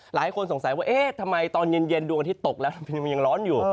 หลายคนสงสัยว่าเอ๊ะทำไมตอนเย็นดวงอาทิตย์ตกแล้วทำไมมันยังร้อนอยู่